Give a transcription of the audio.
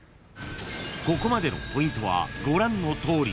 ［ここまでのポイントはご覧のとおり。